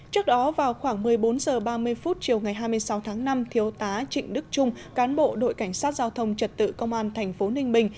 trước đó vào khoảng một mươi bốn h ba mươi chiều ngày hai mươi sáu tháng năm thiếu tá trịnh đức trung cán bộ đội cảnh sát giao thông trật tự công an thành phố ninh bình